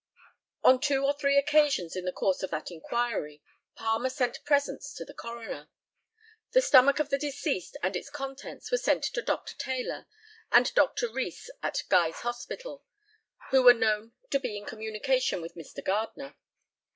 On two or three occasions in the course of that inquiry, Palmer sent presents to the coroner. The stomach of the deceased and its contents were sent to Dr. Taylor, and Dr. Rees, at Guy's Hospital, who were known to be in communication with Mr. Gardner.